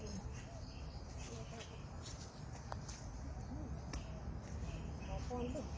เห็นแล้วค่ะ